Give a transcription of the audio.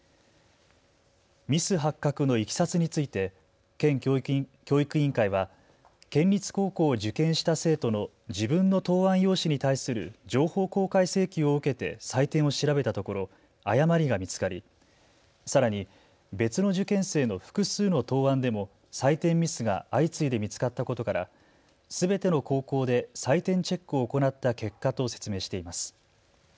ミス発覚のいきさつについて県教育委員会は県立高校を受験した生徒の自分の答案用紙に対する情報公開請求を受けて採点を調べたところ、誤りが見つかりさらに別の受験生の複数の答案でも採点ミスが相次いで見つかったことからすべての高校で採点チェックを行った結果と説明しています。